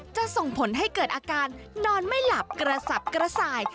ส่งผลให้เกิดอาการนอนไม่หลับกระสับกระส่าย